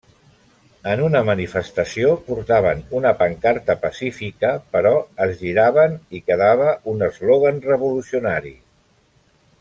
En una manifestació portaven una pancarta pacífica, però es giraven i quedava un eslògan revolucionari.